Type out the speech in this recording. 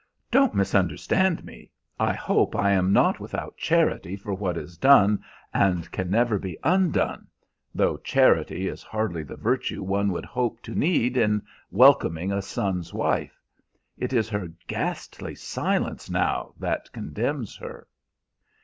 Don't misunderstand me. I hope I am not without charity for what is done and never can be undone, though charity is hardly the virtue one would hope to need in welcoming a son's wife. It is her ghastly silence now that condemns her."